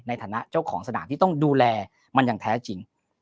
ในฐานะเจ้าของสนามที่ต้องดูแลมันอย่างแท้จริง